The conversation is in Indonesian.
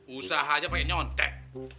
usaha aja pakai nyontek